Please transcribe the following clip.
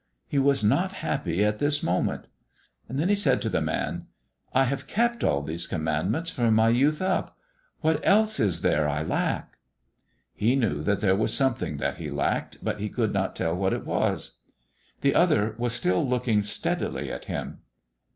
He was not happy at this moment. Then he said to the Man: "I have kept all these Commandments from my youth up. What else is there I lack?" He knew that there was something that he lacked, but he could not tell what it was. The Other was still looking steadily at him.